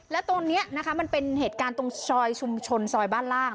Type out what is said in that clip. แล้วตรงนี้นะคะมันเป็นเหตุการณ์ตรงซอยชุมชนซอยบ้านล่าง